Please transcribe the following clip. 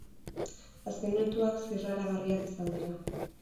Azken minutuak zirraragarriak izan dira.